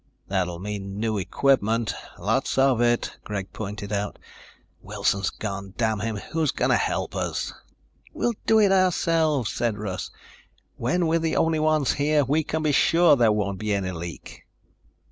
"That'll mean new equipment, lots of it," Greg pointed out. "Wilson's gone, damn him. Who's going to help us?" "We'll do it ourselves," said Russ. "When we're the only ones here, we can be sure there won't be any leak."